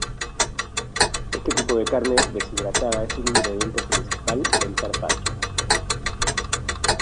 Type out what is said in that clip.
Este tipo de carne deshidratada es el ingrediente principal del carpaccio.